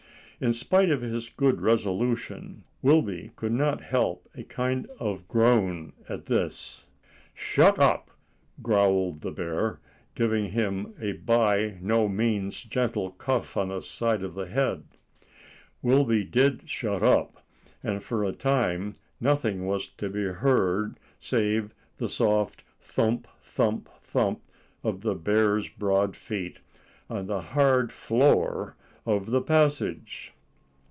In spite of his good resolution, Wilby could not help a kind of groan at this. "Shut up!" growled the bear, giving him a by no means gentle cuff on the side of the head. Wilby did shut up, and for a time nothing was to be heard save the soft thump, thump, thump of the bear's broad feet on the hard floor of the passage.